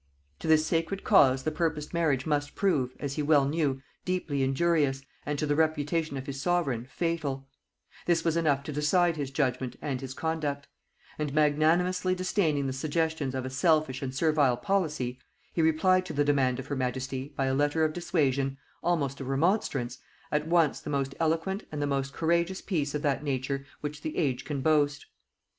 To this sacred cause the purposed marriage must prove, as he well knew, deeply injurious, and to the reputation of his sovereign fatal: this was enough to decide his judgement and his conduct; and magnanimously disdaining the suggestions of a selfish and servile policy, he replied to the demand of her majesty, by a letter of dissuasion, almost of remonstrance, at once the most eloquent and the most courageous piece of that nature which the age can boast.